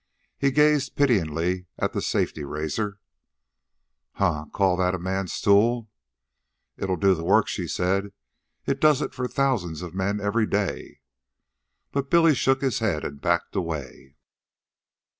He gazed pityingly at the safety razor. "Huh! Call that a man's tool!" "It'll do the work," she said. "It does it for thousands of men every day." But Billy shook his head and backed away.